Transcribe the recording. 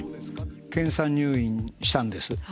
検査入院したんです。